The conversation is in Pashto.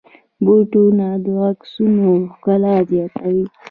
بوټونه د عکسونو ښکلا زیاتوي.